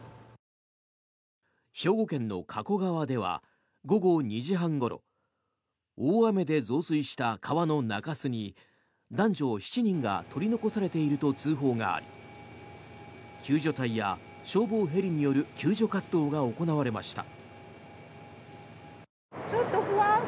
兵庫県の加古川では午後２時半ごろ大雨で増水した川の中州に男女７人が取り残されていると通報があり救助隊や消防ヘリによる救助活動が行われました。